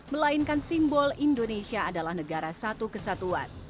melainkan simbol indonesia adalah negara satu kesatuan